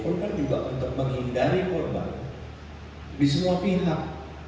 korban juga untuk menghindari korban di semua pihak